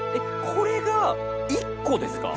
これが１個ですか？